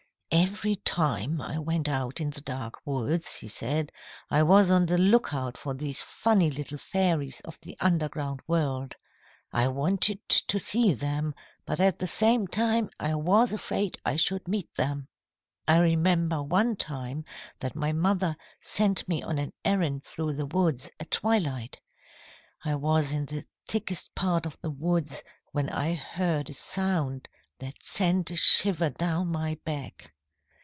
"Every time I went out in the dark woods," he said, "I was on the lookout for these funny little fairies of the underground world. I wanted to see them, but at the same time I was afraid I should meet them. "I remember one time that my mother sent me on an errand through the woods at twilight. I was in the thickest part of the woods, when I heard a sound that sent a shiver down my back.